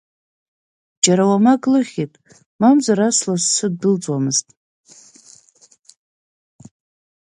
Џьара уамак лыхьит, мамзар ас лассы ддәылҵуамызт.